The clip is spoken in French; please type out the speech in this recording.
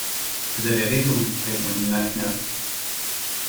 Vous avez raison, répondit Mac Nap.